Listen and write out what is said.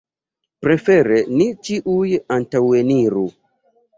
Prefere ni ĉiuj antaŭeniru.